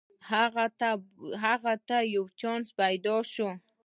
هغه ته یو چانس پیداشو